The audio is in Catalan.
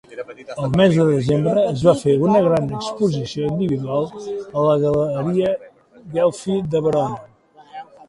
Al mes de desembre, es va fer una gran exposició individual a la Galleria Ghelfi de Verona.